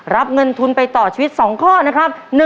รับเงินทุนไปต่อชีวิต๒ข้อนะครับ